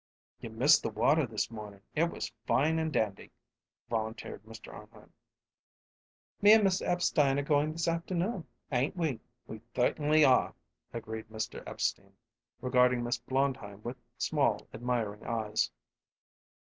"You missed the water this mornin'. It was fine and dandy!" volunteered Mr. Arnheim. "Me and Mr. Epstein are goin' this afternoon ain't we?" "We thertainly are," agreed Mr. Epstein, regarding Miss Blondheim with small, admiring eyes.